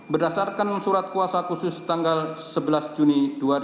berdasarkan surat kuasa khusus tanggal sebelas juni dua ribu dua puluh